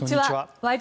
「ワイド！